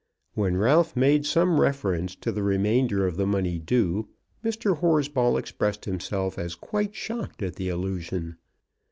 When Ralph made some reference to the remainder of the money due, Mr. Horsball expressed himself as quite shocked at the allusion.